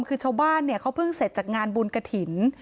คือชาวบ้านเนี่ยเขาเพิ่งเสร็จจากงานบุญกระถิ่น